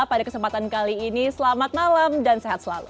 pada kesempatan kali ini selamat malam dan sehat selalu